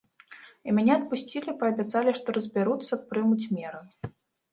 І мяне адпусцілі, паабяцалі, што разбяруцца, прымуць меры.